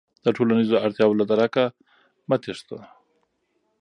د ټولنیزو اړتیاوو له درکه مه تېښته.